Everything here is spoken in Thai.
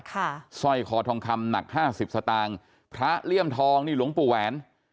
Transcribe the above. สร้อยคอทองคำหนักห้าสิบสตางค์พระเลี่ยมทองนี่หลวงปู่แหวน